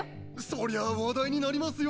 そりゃあ話題になりますよ！